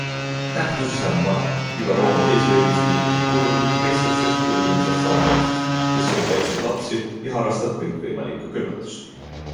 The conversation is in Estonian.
Nähtus ise on vana - juba Rooma keisririigis liikusid kuulujutud kristlastest kui hirmsast salaseltsist, kes sööb väikseid lapsi ja harrastab kõikvõimalikku kõlvatust.